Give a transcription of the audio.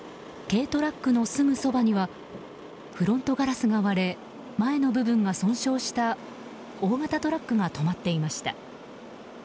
軽トラックのすぐそばにはフロントガラスが割れ前の部分が損傷した大型トラックが止まっていました。